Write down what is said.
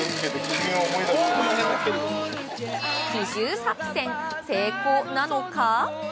奇匂作戦、成功なのか。